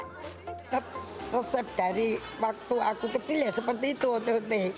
tetap resep dari waktu aku kecil ya seperti itu ott